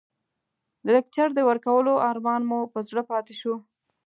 د لکچر د ورکولو ارمان مو په زړه پاتې شو.